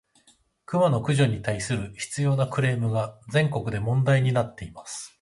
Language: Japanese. クマの駆除に対する執拗（しつよう）なクレームが、全国で問題になっています。